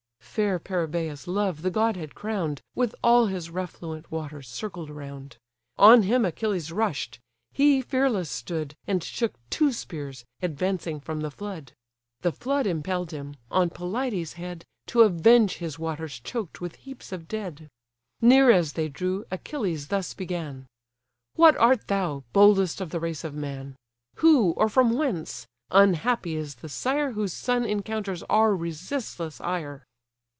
(Fair Peribaea's love the god had crown'd, With all his refluent waters circled round:) On him Achilles rush'd; he fearless stood, And shook two spears, advancing from the flood; The flood impell'd him, on Pelides' head To avenge his waters choked with heaps of dead. Near as they drew, Achilles thus began: "What art thou, boldest of the race of man? Who, or from whence? Unhappy is the sire Whose son encounters our resistless ire."